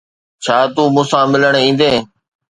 ڇا تون مون سان ملڻ ايندين؟